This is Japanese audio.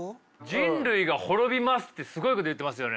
人類が滅びますってすごいこと言ってますよね。